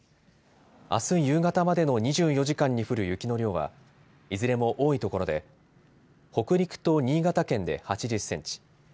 あす夕方までの２４時間に降る雪の量はいずれも多い所で北陸と新潟県で８０センチ